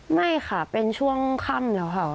ไม่ค่ะเป็นช่วงค่ำแล้วค่ะ